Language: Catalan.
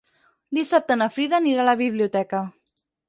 Dissabte na Frida anirà a la biblioteca.